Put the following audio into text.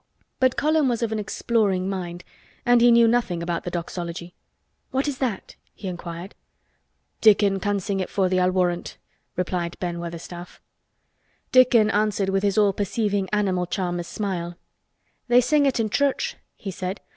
But Colin was of an exploring mind and he knew nothing about the Doxology. "What is that?" he inquired. "Dickon can sing it for thee, I'll warrant," replied Ben Weatherstaff. Dickon answered with his all perceiving animal charmer's smile. "They sing it i' church," he said.